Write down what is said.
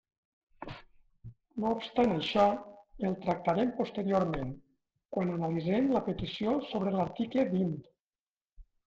No obstant això, el tractarem posteriorment, quan analitzem la petició sobre l'article vint.